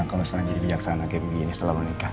kamu seorang jadi bijaksana gemi ini setelah menikah